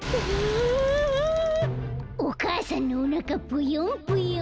お母さんのおなかぷよんぷよん。